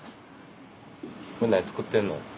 これ何作ってんの？